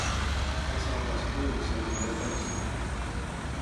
Vaig a la placeta de Vicenç Albert Ballester.